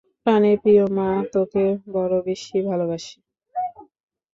প্রানের প্রিয় মা তোকে, বড় বেশী ভালোবাসি।